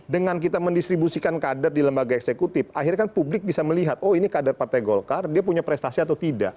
dengan kita mendistribusikan kader di lembaga eksekutif akhirnya kan publik bisa melihat oh ini kader partai golkar dia punya prestasi atau tidak